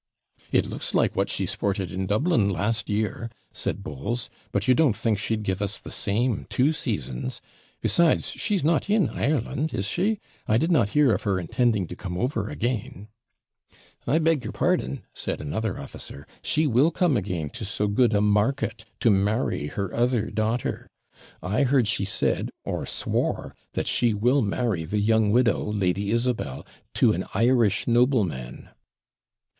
'It looks like what she sported in Dublin last year,' said Bowles; 'but you don't think she'd give us the same two seasons? Besides, she is not in Ireland, is she? I did not hear of her intending to come over again.' 'I beg your pardon,' said another officer; 'she will come again to so good a market, to marry her other daughter. I hear she said, or swore, that she will marry the young widow, Lady Isabel, to an Irish nobleman.'